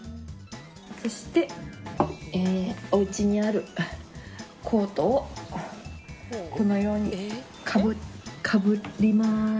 そして、おうちにあるコートをこのようにかぶります。